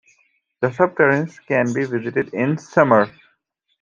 The subterraneans can be visited in summer.